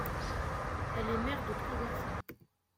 Elle est mère de trois garçons.